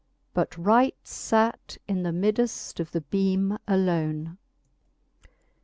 But right fate in the middeft of the beame alone. XLIX.